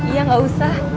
iya gak usah